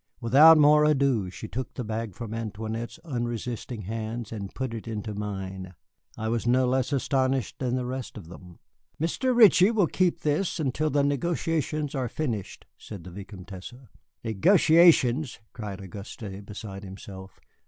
Without more ado she took the bag from Antoinette's unresisting hands and put it into mine. I was no less astonished than the rest of them. "Mr. Ritchie will keep this until the negotiations are finished," said the Vicomtesse. "Negotiations!" cried Auguste, beside himself.